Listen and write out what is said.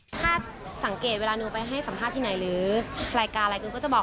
ถ้าสังเกตเวลาหนูไปให้สัมภาษณ์ที่ไหนหรือรายการอะไรกูก็จะบอก